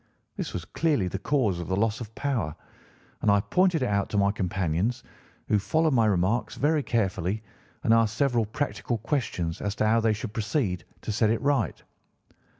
This was clearly the cause of the loss of power, and I pointed it out to my companions, who followed my remarks very carefully and asked several practical questions as to how they should proceed to set it right.